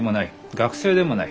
学生でもない。